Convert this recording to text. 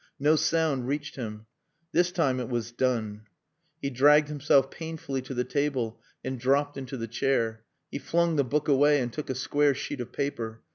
No sound reached him. This time it was done. He dragged himself painfully to the table and dropped into the chair. He flung the book away and took a square sheet of paper.